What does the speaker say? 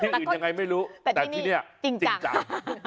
อื่นยังไงไม่รู้แต่ที่นี่จริงจัง